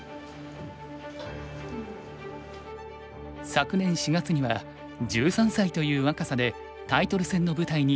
昨年４月には１３歳という若さでタイトル戦の舞台に登場。